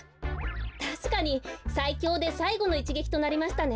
たしかにさいきょうでさいごのいちげきとなりましたね。